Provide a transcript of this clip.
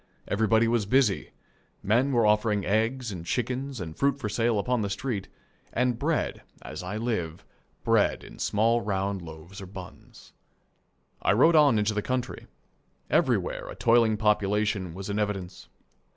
Everybody was busy. Men were offering eggs and chickens and fruit for sale upon the street, and bread, as I live, bread in small round loaves or buns. I rode on into the country. Everywhere a toiling population was in evidence.